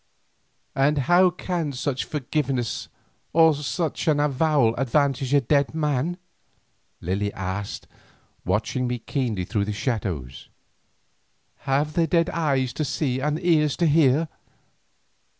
"And how can such forgiveness or such an avowal advantage a dead man?" Lily asked, watching me keenly through the shadows. "Have the dead then eyes to see and ears to hear?"